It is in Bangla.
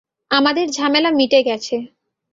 আমাদের ঝামেলা মিটে গেছে।